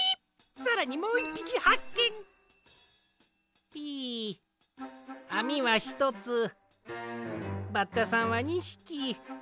さらにもう１ぴきはっけん！ピイあみはひとつバッタさんは２ひき。